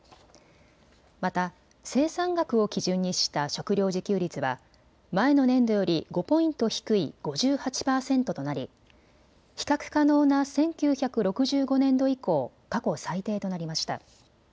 また生産額を基準にした食料自給率は前の年度より５ポイント低い５８％となり、比較可能な１９６５年度以降、過去最低となりました。